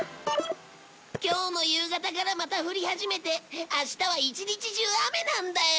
今日の夕方からまた降り始めて明日は一日中雨なんだよ。